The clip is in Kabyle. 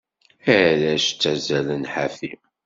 Arrac ttazallen ḥafi.